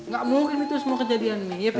gak mungkin itu semua kejadian mi ya pi